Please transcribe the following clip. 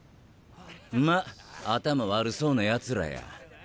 ま頭悪そうなやつらや。